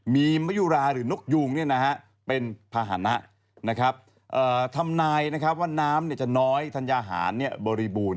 มีมะยุราหรือนกยูงเป็นภาษณะทำนายว่าน้ำจะน้อยธัญญาหารบริบูรณ